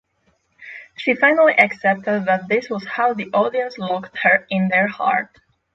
She finally accepted that this was how the audience locked her in their heart.